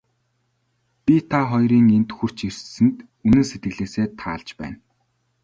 Би та хоёрын энд хүрч ирсэнд үнэн сэтгэлээсээ таалж байна.